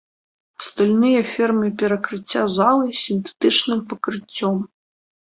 Стальныя фермы перакрыцця залы з сінтэтычным пакрыццём.